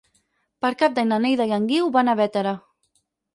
Per Cap d'Any na Neida i en Guiu van a Bétera.